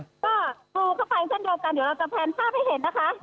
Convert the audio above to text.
ก็กรูเข้าไปเช่นเดียวกันเดี๋ยวเราจะแพนภาพให้เห็นนะคะ